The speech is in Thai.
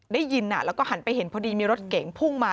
ได้ยินแล้วก็หันไปเห็นพอดีมีรถเก๋งพุ่งมา